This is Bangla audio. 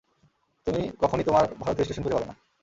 তুমি কখনই তোমার ভারতীয় স্টেশন খুঁজে পাবে না।